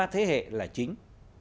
hai ba thế hệ là chính